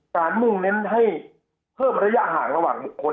มุ่งเน้นให้เพิ่มระยะห่างระหว่างบุคคล